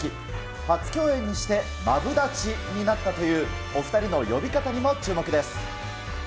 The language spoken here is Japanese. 初共演にしてマブダチになったというお２人の呼び方にも注目です。